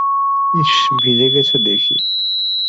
ইস, ভিজে গেছ দেখি!